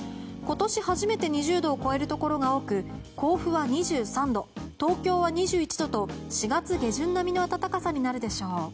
今年初めて２０度を超えるところが多く甲府は２３度東京は２１度と４月下旬並みの暖かさになるでしょう。